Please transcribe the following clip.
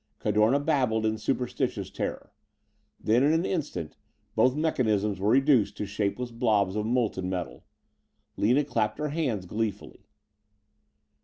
Cadorna babbled in superstitious terror. Then, in an instant, both mechanisms were reduced to shapeless blobs of molten metal. Lina clapped her hands gleefully.